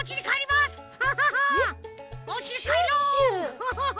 フフフフ！